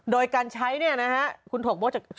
โดยการใช้เนี่ยนะฮะ